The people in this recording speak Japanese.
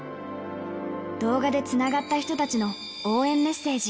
動画でつながった人たちの応援メッセージ。